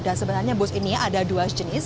dan sebenarnya bus ini ada dua jenis